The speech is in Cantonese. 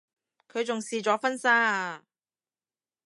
佢仲試咗婚紗啊